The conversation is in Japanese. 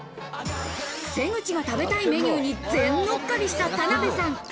瀬口が食べたいメニューに全のっかりした田辺さん。